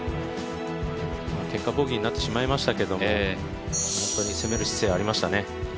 結果、ボギーになってしまいましたけど、攻める必要はありましたね。